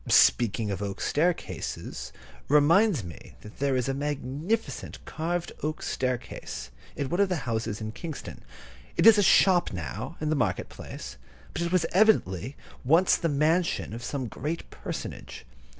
Speaking of oak staircases reminds me that there is a magnificent carved oak staircase in one of the houses in Kingston. It is a shop now, in the market place, but it was evidently once the mansion of some great personage.